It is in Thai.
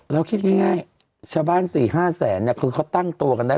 แล้วคิดง่ายชาวบ้าน๔๕แสนคือเขาตั้งตัวกันได้